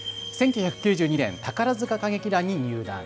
１９９２年、宝塚歌劇団に入団。